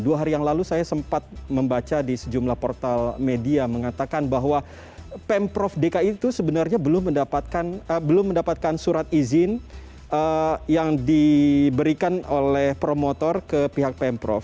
dua hari yang lalu saya sempat membaca di sejumlah portal media mengatakan bahwa pemprov dki itu sebenarnya belum mendapatkan surat izin yang diberikan oleh promotor ke pihak pemprov